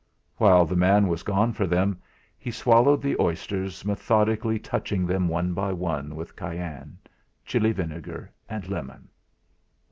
While the man was gone for them, he swallowed the oysters, methodically touching them one by one with cayenne, Chili vinegar, and lemon.